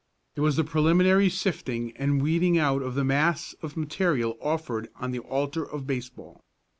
It was the preliminary sifting and weeding out of the mass of material offered on the altar of baseball.